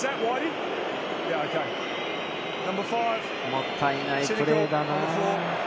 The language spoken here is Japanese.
もったいないプレーだな。